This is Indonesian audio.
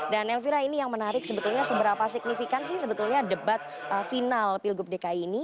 dan elvira ini yang menarik sebetulnya seberapa signifikansi sebetulnya debat final pilgub dki ini